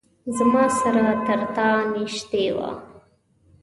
زما سره ترتا نیژدې وه